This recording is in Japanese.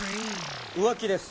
浮気です